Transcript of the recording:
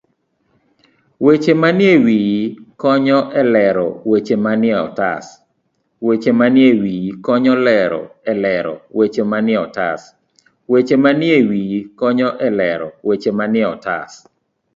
Weche manie wiye konyo e lero weche manie otas.